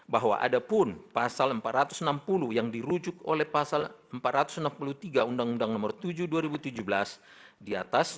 bahwa ada pun pasal empat ratus enam puluh yang dirujuk oleh pasal empat ratus enam puluh tiga undang undang nomor tujuh dua ribu tujuh belas di atas